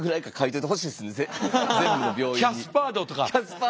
キャスパー度とか。